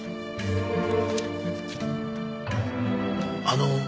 あの。